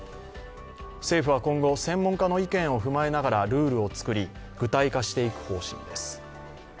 政府は今後、専門家の意見を踏まえながらルールを作り、具体化していく方針です。